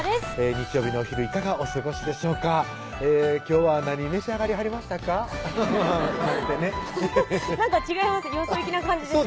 日曜日のお昼いかがお過ごしでしょうか今日は何召し上がりはりましたか？なんてねなんか違いますよそ行きな感じですね